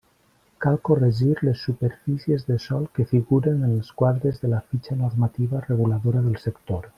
Cal corregir les superfícies de sòl que figuren en els quadres de la fitxa normativa reguladora del sector.